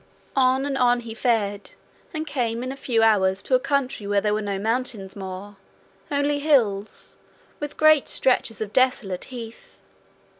On and on he fared, and came in a few hours to a country where there were no mountains more only hills, with great stretches of desolate heath.